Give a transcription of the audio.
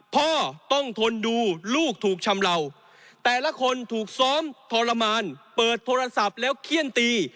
พ่อต้องทนดูลูกถูกชำเหล่าแต่ละคนถูกซ้อมทรมานเปิดโทรศัพท์แล้วเขี้ยนตี